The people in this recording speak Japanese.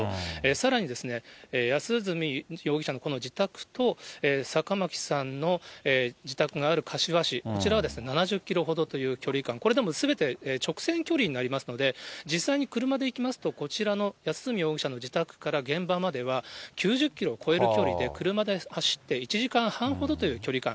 さらにですね、安栖容疑者のこの自宅と、坂巻さんの自宅がある柏市、こちらは７０キロほどという距離感、これでもすべて直線距離になりますので、実際に車で行きますと、こちらの安栖容疑者の自宅から現場までは９０キロを超える距離で、車で走って１時間半ほどという距離感。